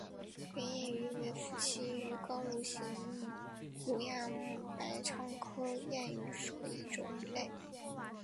圆燕鱼为辐鳍鱼纲鲈形目鲈亚目白鲳科燕鱼属的一种鱼类。